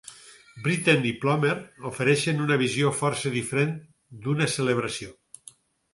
Britten i Plomer ofereixen una visió força diferent d'una celebració.